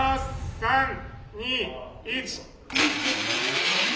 ３２１。